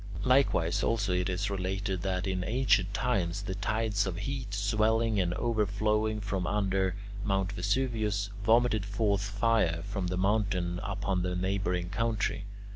Likewise also it is related that in ancient times the tides of heat, swelling and overflowing from under Mt. Vesuvius, vomited forth fire from the mountain upon the neighbouring country.